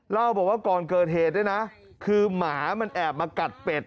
เล่าบอกว่าก่อนเกิดเหตุเนี่ยนะคือหมามันแอบมากัดเป็ด